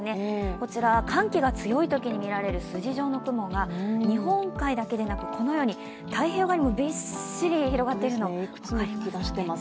こちらは寒気が強いときにみられる筋状の雲が、日本海だけでなく、このように太平洋側にびっしりと広がっています。